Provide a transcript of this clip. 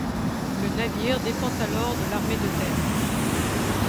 Le navire dépend alors de l'Armée de Terre.